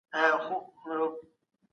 تېروتني د زده کړي يوه برخه ده.